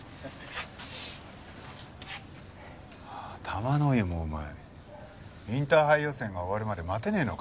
玉乃井もお前インターハイ予選が終わるまで待てねえのか？